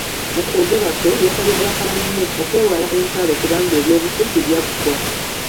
Mu kwogera kwe, yasabye babaka banne okwewala entalo kubanga ebyobufuzi byaggwa.